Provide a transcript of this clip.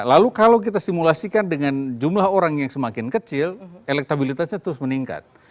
lalu kalau kita simulasikan dengan jumlah orang yang semakin kecil elektabilitasnya terus meningkat